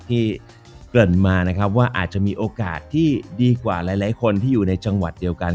เกริ่นมานะครับว่าอาจจะมีโอกาสที่ดีกว่าหลายคนที่อยู่ในจังหวัดเดียวกัน